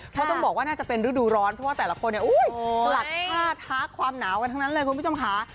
เพราะต้องบอกว่าน่าจะเป็นฤดูร้อนเพราะว่าแต่ละคนเนี่ยสลัดผ้าท้าความหนาวกันทั้งนั้นเลยคุณผู้ชมค่ะ